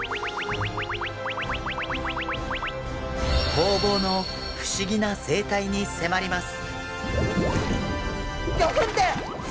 ホウボウの不思議な生態に迫ります！